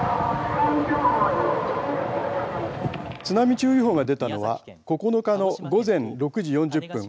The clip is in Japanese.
津波注意報が出たのは９日の午前６時４０分。